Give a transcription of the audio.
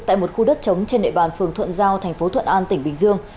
tại một khu đất chống trên nệ bàn phường thuận giao thành phố thuận an tỉnh bình dương